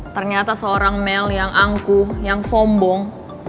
ternyata seorang mel yang angkuh yang sombong